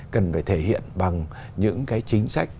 cần phải thể hiện bằng những cái chính sách